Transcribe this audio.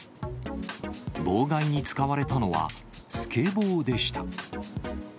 妨害に使われたのはスケボーでした。